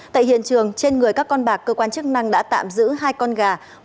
tại hiện trường trên người các con bạc cơ quan chức năng đã tạm giữ hai con gà